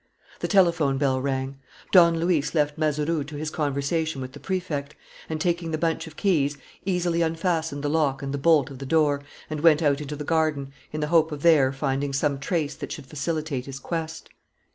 The telephone bell rang. Don Luis left Mazeroux to his conversation with the Prefect, and, taking the bunch of keys, easily unfastened the lock and the bolt of the door and went out into the garden, in the hope of there finding some trace that should facilitate his quest.